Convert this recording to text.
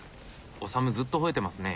オサムずっとほえてますね。